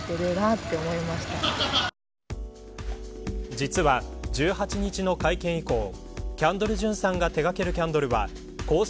実は１８日の会見以降キャンドル・ジュンさんが手掛けるキャンドルは公式